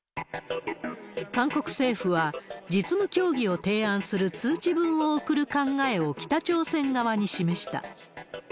韓国政府は、実務協議を提案する通知文を送る考えを北朝鮮側に示した。